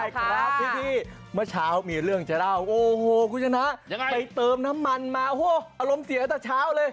พี่เมื่อเช้ามีเรื่องจะเล่าโอ้โหคู่ชนะไปเติมน้ำมันมาโหอารมณ์เสียตั้งแต่เช้าเลย